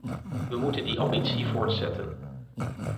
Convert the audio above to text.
We moeten die ambitie voortzetten.